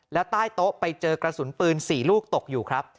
แล้วใต้โต๊ะไปเจอกระสุนปืน๔ลูกตกอยู่ครับ